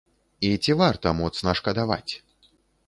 І ці варта моцна шкадаваць?